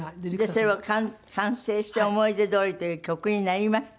それを完成して『想い出通り』という曲になりました。